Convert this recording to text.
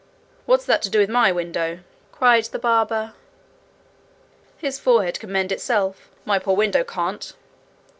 'What's that to my window?' cried the barber. 'His forehead can mend itself; my poor window can't.'